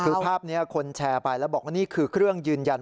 คือภาพนี้คนแชร์ไปแล้วบอกว่านี่คือเครื่องยืนยัน